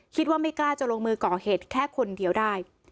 ไม่กล้าจะลงมือก่อเหตุแค่คนเดียวได้